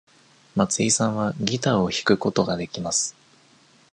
松井さんはギターを弾くことができます。